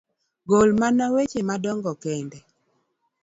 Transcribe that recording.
gol mana weche madongo kende.